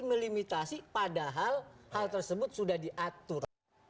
melimitasi padahal hal tersebut sudah diatur